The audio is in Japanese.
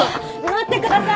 待ってください。